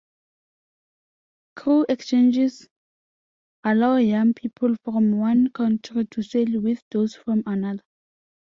Crew exchanges allow young people from one country to sail with those from another.